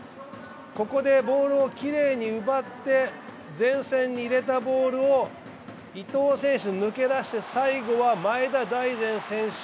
ここでボールをきれいに奪って前線に入れたボールを伊東選手、抜け出して最後は前田大然選手